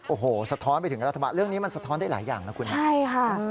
โอ้โห๖๔สะท้อนไปถึงกราธมาศเรื่องนี้มันสะท้อนได้หลายอย่างแล้วคุณค่ะ